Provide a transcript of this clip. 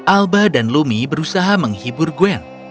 alba dan lumi berusaha menghibur gwen